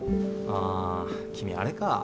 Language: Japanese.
あ君あれか。